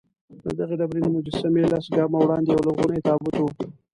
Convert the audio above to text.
له دغه ډبرینې مجسمې لس ګامه وړاندې یولرغونی تابوت و.